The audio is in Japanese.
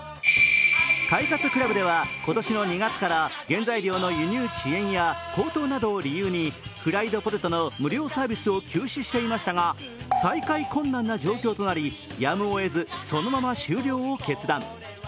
快活ＣＬＵＢでは今年の２月から原材料の輸入遅延などを理由にフライドポテトの無料サービスを休止していましたが再開困難な状況となりやむをえずそのまま終了を決断。